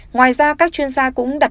ngoài ra các chuyên gia cũng đặt